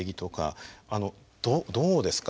どうですか？